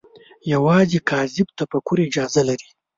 یوازې کاذب تفکر اجازه لري